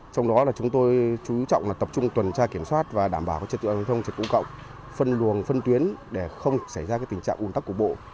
trong đó là chúng tôi chú trọng là tập trung tuần tra kiểm soát và đảm bảo trật tự an toàn trật cụ cộng phân luồng phân tuyến để không xảy ra tình trạng ủn tắc của bộ